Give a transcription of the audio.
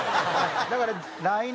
だから。